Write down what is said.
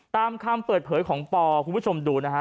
ตามคำเปิดเผยของปอคุณผู้ชมดูนะฮะ